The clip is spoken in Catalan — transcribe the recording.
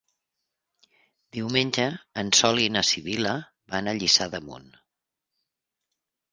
Diumenge en Sol i na Sibil·la van a Lliçà d'Amunt.